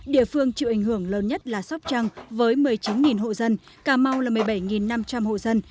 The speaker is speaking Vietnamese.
địa phương chịu ảnh hưởng lớn nhất là sóc trăng với một mươi chín hộ dân cà mau là một mươi bảy năm trăm linh hộ dân